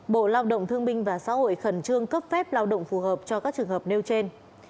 bộ lao động thương minh và xã hội khẩn trương cấp phép lao động phù hợp cho các trường hợp nêu trên